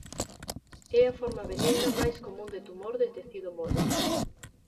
É a forma benigna máis común de tumor de tecido mole.